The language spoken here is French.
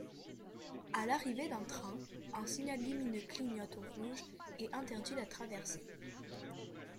À l'arrivée d'un train, un signal lumineux clignote au rouge et interdit la traversée.